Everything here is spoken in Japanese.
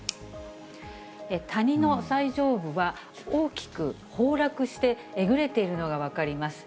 谷の最上部は、大きく崩落して、えぐれているのが分かります。